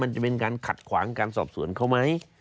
จะเป็นการขัดขวางการสอบสวนเขาไหม